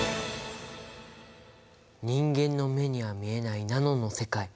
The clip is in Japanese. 人間の目には見えないナノの世界。